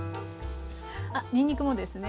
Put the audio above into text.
あっにんにくもですね。